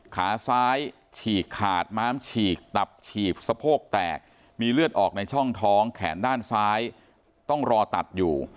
ขาซ้ายฉีกขาดม้ามฉีกตับฉีกสะโพกแตกมีเลือดออกในช่องท้องแขนด้านซ้ายต้องรอตัดอยู่